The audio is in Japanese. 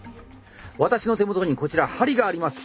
私の手元にこちら針があります。